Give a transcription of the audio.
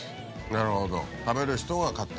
なるほど。